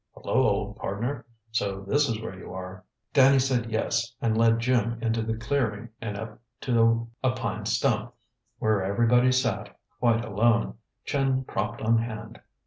"Hullo, old pardner! So this is where you are." Danny said yes, and led Jim into the clearing and up to a pine stump, where everybody sat, quite alone, chin propped on hand.